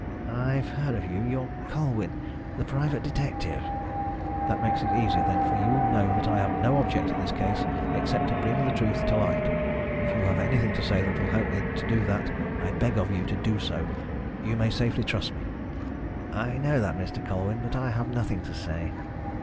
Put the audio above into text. "I have heard of you. You are Colwyn, the private detective." "That makes it easier then, for you will know that I have no object in this case except to bring the truth to light. If you have anything to say that will help me to do that I beg of you to do so. You may safely trust me." "I know that, Mr. Colwyn, but I have nothing to say."